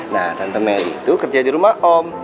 nah tante meli tuh kerja di rumah om